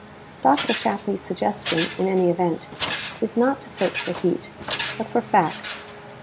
Dr. Shapley's suggestion, in any event, is not to search for heat but for facts.